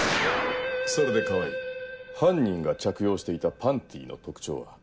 それで川合犯人が着用していたパンティの特徴は？